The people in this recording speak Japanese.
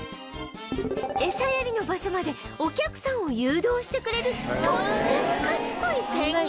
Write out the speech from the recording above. エサやりの場所までお客さんを誘導してくれるとっても賢いペンギンさん